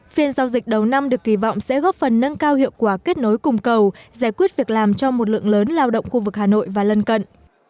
phiên giao dịch đầu năm được kỳ vọng sẽ góp phần nâng cao hiệu quả kết nối cung cầu giải quyết việc làm cho một lượng lớn lao động khu vực hà nội và lân cận